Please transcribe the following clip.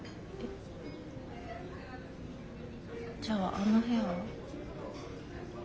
じゃあの部屋は？